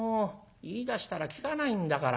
言いだしたら聞かないんだからもう。